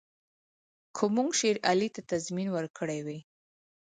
که موږ شېر علي ته تضمین ورکړی وای.